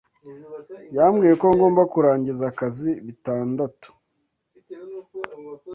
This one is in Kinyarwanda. Yambwiye ko ngomba kurangiza akazi bitandatu.